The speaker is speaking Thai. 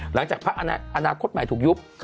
หลังจากพักอนาคตใหม่ถูกยุบ